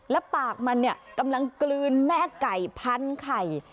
และปากมันเนี่ยกำลังกลืนแม่ไก่พันไข่